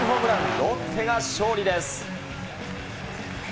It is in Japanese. ロッテが勝利です。